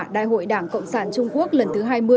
đại hội đảng cộng sản trung quốc lần thứ hai mươi